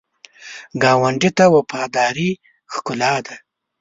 ګاونډي ته وفاداري ښکلا ده